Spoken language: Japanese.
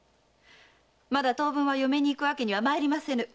まだ当分は嫁にいくわけにはまいりませぬ！